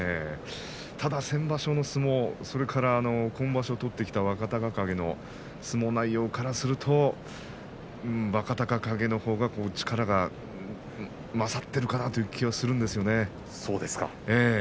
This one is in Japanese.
ただ先場所の相撲それから今場所取ってきた若隆景の相撲内容からすると若隆景のほうが力が勝っているかなという気がするんですね。